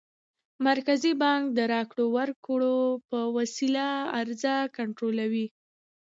مرکزي بانک د راکړو ورکړو په وسیله عرضه کنټرولوي.